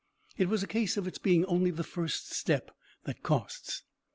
It was a case of its being only the first step that costs.